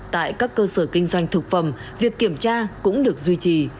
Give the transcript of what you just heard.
tại các cơ sở kinh doanh thực phẩm việc kiểm tra cũng được duy trì